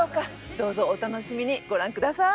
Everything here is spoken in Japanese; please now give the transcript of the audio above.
どうぞお楽しみにご覧下さい！